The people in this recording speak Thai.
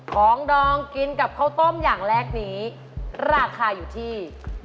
ต้องได้การเจอเฉลยที่